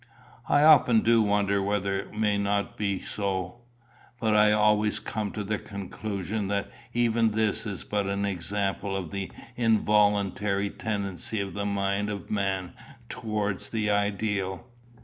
"I often do wonder whether it may not be so, but I always come to the conclusion that even this is but an example of the involuntary tendency of the mind of man towards the ideal.